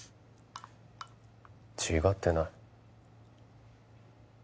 違ってない。